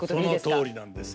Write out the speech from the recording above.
そのとおりなんです。